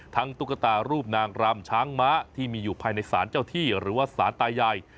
ตุ๊กตารูปนางรำช้างม้าที่มีอยู่ภายในศาลเจ้าที่หรือว่าสารตายาย